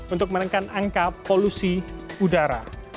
untuk menekan angka polusi udara